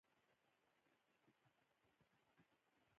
بېل مې مزاج دی بېل دې مزاج دی